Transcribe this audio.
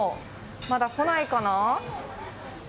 まだ来ないかな？